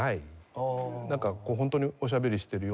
なんか本当におしゃべりしているような。